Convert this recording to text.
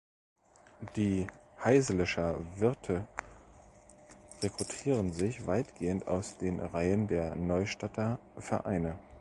Die Haiselscher-Wirte rekrutieren sich weitgehend aus den Reihen der Neustadter Vereine.